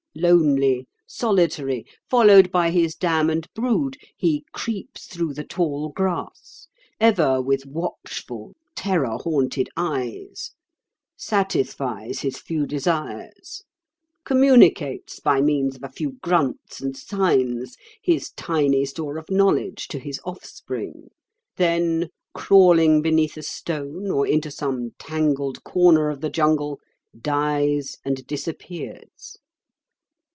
Lonely, solitary, followed by his dam and brood, he creeps through the tall grass, ever with watchful, terror haunted eyes; satisfies his few desires; communicates, by means of a few grunts and signs, his tiny store of knowledge to his offspring; then, crawling beneath a stone, or into some tangled corner of the jungle, dies and disappears.